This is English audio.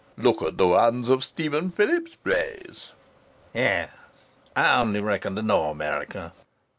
"Look at the runs of Stephen Phillips's plays!" "Yes.... I only reckon to know America."